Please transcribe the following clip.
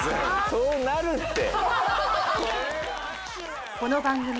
そうなるって！